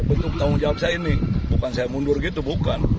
untuk tanggung jawab saya ini bukan saya mundur gitu bukan